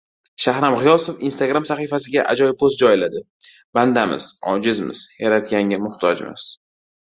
Shahram G‘iyosov "Instagram" sahifasiga ajoyib post joyladi: "Bandamiz, ojizmiz, Yaratganga muhtojmiz"